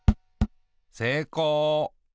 せいこう。